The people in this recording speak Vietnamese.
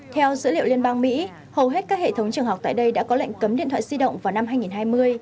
theo dữ liệu liên bang mỹ hầu hết các hệ thống trường học tại đây đã có lệnh cấm điện thoại di động vào năm hai nghìn hai mươi